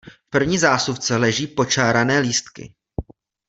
V první zásuvce leží počárané lístky.